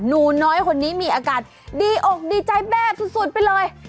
หนูน้อยคนนี้มีอาการดีอกดีใจแบบสุดไปเลย